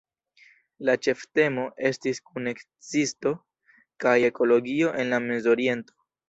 La ĉeftemo estis “kunekzisto kaj ekologio en la Mezoriento".